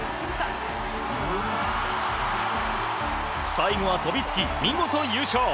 最後は飛びつき、見事優勝。